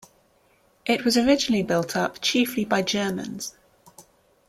It was originally built up chiefly by Germans.